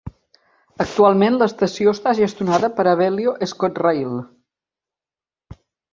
Actualment l'estació està gestionada per Abellio ScotRail.